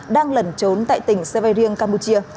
đang lẩn trốn tại tỉnh severien campuchia